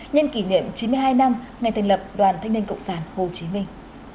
nhân kỷ niệm chín mươi hai năm ngày thành lập đoàn thanh niên cộng sản hồ chí minh